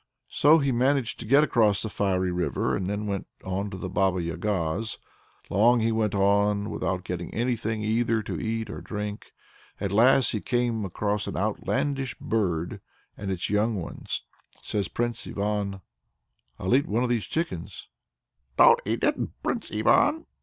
So he managed to get across the fiery river, and then went on to the Baba Yaga's. Long went he on without getting anything either to eat or to drink. At last he came across an outlandish bird and its young ones. Says Prince Ivan: "I'll eat one of these chickens." "Don't eat it, Prince Ivan!"